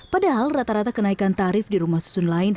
padahal rata rata kenaikan tarif di rumah susun lain